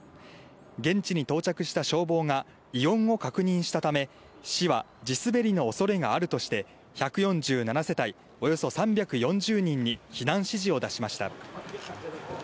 現地に到着した消防が、異音を確認したため、市は地滑りのおそれがあるとして、１４７世帯およそ３４０人に避難指示を出しました。